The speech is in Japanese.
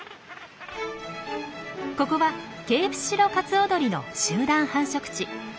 ここはケープシロカツオドリの集団繁殖地。